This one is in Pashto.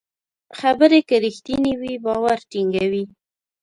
خبرې که رښتینې وي، باور ټینګوي.